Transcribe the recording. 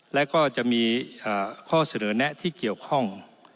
และก็จะมีข้อเสนอแนะที่เกี่ยวข้อง